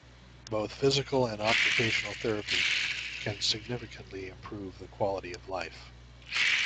Both physical and occupational therapy can significantly improve the quality of life.